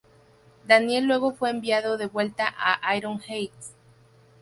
Daniel luego fue enviado de vuelta a Iron Heights.